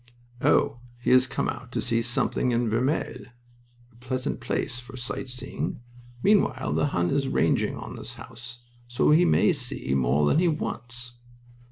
"Oh, he has come out to see something in Vermelles? A pleasant place for sightseeing! Meanwhile the Hun is ranging on this house, so he may see more than he wants."